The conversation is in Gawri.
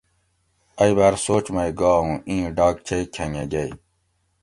ائ باۤر سوچ مئ گا اُوں ایں ڈاکچئ کھنگہ گۤئ